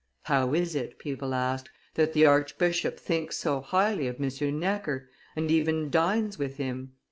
"How is it," people asked, "that the archbishop thinks so highly of M. Necker, and even dines with him?"